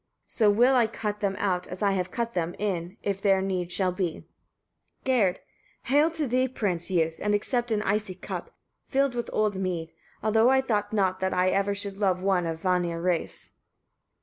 So will I cut them out, as I have cut them, in, if there need shall be. Gerd. 37. Hail rather to thee, youth! and accept an icy cup, filled with old mead; although I thought not that I ever should love one of Vanir race.